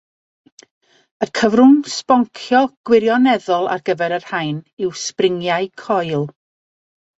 Y cyfrwng sboncio gwirioneddol ar gyfer y rhain yw sbringiau coil.